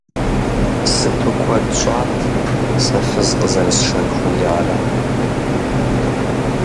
Сыту куэд щӀат сэ фыз къызэрысшэн хуеярэ!